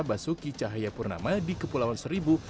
basuki cahaya purnama di kepulauan seribu